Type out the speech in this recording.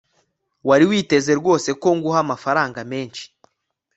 wari witeze rwose ko nguha amafaranga menshi